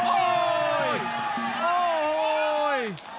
โอ้ยโอ้โห้ย